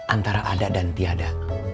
antara ada dan tiada